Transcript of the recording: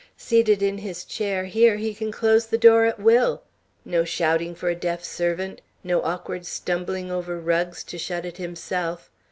"Seated in his chair here, he can close his door at will. No shouting after a deaf servant, no awkward stumbling over rugs to shut it himself.